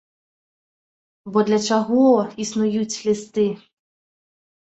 Бо для чаго існуюць лісты?